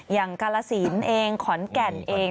อย่างกาลาสินเองขอนแก่นเอง